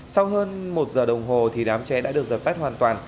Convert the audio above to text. sau hơn một giờ đồng hồ thì đám cháy đã được giật tắt hoàn toàn